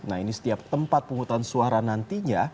nah ini setiap tempat penghutang suara nantinya